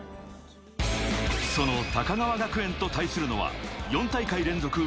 その高川学園と対するのは、４大会連続